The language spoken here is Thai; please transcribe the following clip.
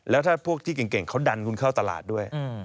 แล้วถ้าพวกที่เก่งเขาดันคุณเข้าตลาดด้วย